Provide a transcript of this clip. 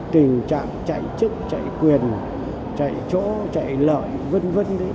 tình trạng chạy chức chạy quyền chạy chỗ chạy lợi v v